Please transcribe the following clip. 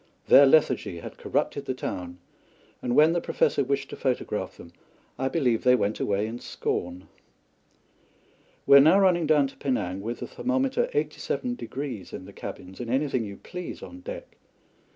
Their lethargy had corrupted the town, and when the Professor wished to photograph them, I believe they went away in scorn. We are now running down to Penang with the thermometer 87° in the cabins, and anything you please on deck.